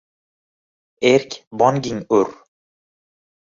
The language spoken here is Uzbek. Erk bongin ur